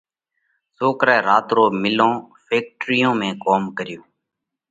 سوڪرئہ رات رو مِلون (فيڪٽريون) ۾ ڪوم ڪريو۔